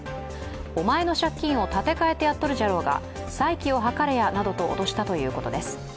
お前の借金を立て替えてやっとるじゃろうが、再起を図れやなどと脅したということです。